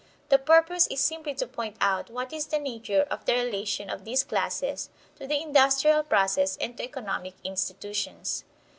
The purpose is simply to point out what is the nature of the relation of these classes to the industrial process and to economic institutions.